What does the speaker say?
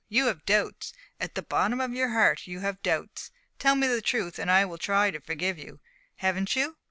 You have doubts at the bottom of your heart you have doubts. Tell me the truth, and I'll try to forgive you haven't you?"